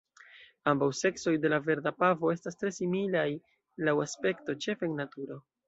Ambaŭ seksoj de la Verda pavo estas tre similaj laŭ aspekto, ĉefe en naturo.